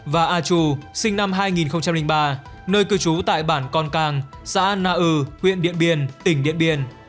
và a trù sinh năm hai nghìn ba nơi cư trú tại bản con càng xã na ư huyện điện biên tỉnh điện biên